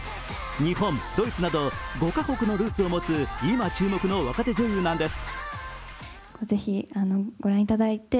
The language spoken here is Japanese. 日本、ドイツなど５カ国のルーツを持つ今注目の若手女優なんです。